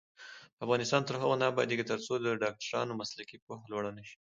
افغانستان تر هغو نه ابادیږي، ترڅو د ډاکټرانو مسلکي پوهه لوړه نشي.